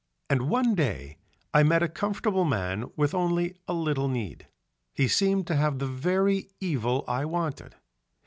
And one day I met a comfortable man with only a little need, he seemed to have the very evil I wanted.